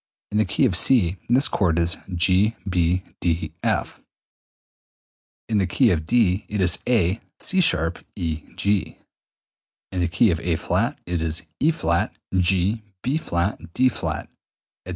In the key of C this chord is G B D F; in the key of D it is A C[sharp] E G; in the key of A[flat] it is E[flat] G B[flat] D[flat], etc.